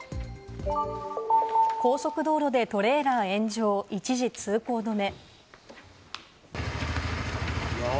高速道路でトレーラー炎上、一時通行止め。